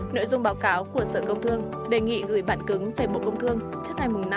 nội dung báo cáo của sở công thương đề nghị gửi bản cứng về bộ công thương trước ngày năm tháng bốn năm hai nghìn hai mươi bốn